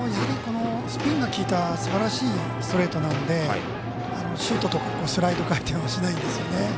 スピンが利いたすばらしいストレートなのでシュートとかスライダー回転はしないんですよね。